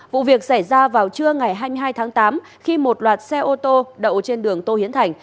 vụ việc xảy ra vào trưa ngày hai mươi hai tháng tám khi một loạt xe ô tô đậu trên đường tô hiến thành